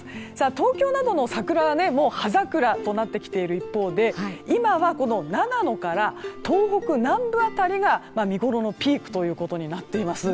東京などの桜はもう葉桜となってきている一方で今は、長野から東北南部辺りが見ごろのピークということになっています。